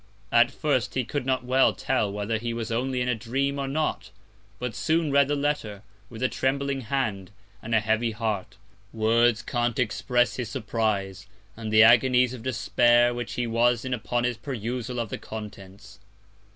At first he could not well tell whether he was only in a Dream or not, but soon read the Letter, with a trembling Hand, and a heavy Heart: Words can't express his Surprise, and the Agonies of Despair which he was in upon his perusal of the Contents.